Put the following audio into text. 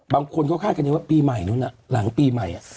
บางคนเขาคาดกันอย่างว่าปีใหม่นู้นหลังปีใหม่